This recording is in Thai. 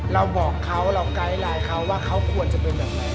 เราบอกเขาเราไกด์ไลน์เขาว่าเขาควรจะเป็นแบบไหน